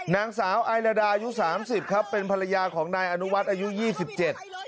นางสาวไอลาดาอายุสามสิบครับเป็นภรรยาของนายอนุวัฒน์อายุยี่สิบเจ็ด